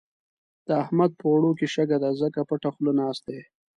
د احمد په اوړو کې شګه ده؛ ځکه پټه خوله ناست دی.